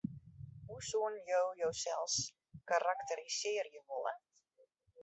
Hoe soenen jo josels karakterisearje wolle?